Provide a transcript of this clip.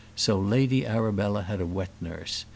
So Lady Arabella had a wet nurse.